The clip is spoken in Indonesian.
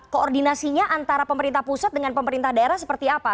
koordinasinya antara pemerintah pusat dengan pemerintah daerah seperti apa